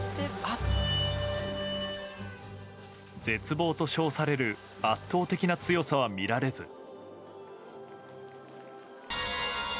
絶望と称される圧倒的な強さは見られず。